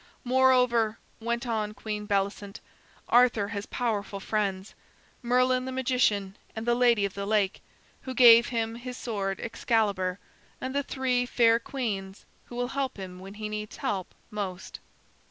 "Moreover," went on Queen Bellicent, "Arthur has powerful friends: Merlin, the magician, and the Lady of the Lake, who gave him his sword Excalibur, and the three fair queens, who will help him when he needs help most."